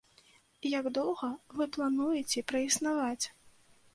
Як доўга вы плануеце праіснаваць?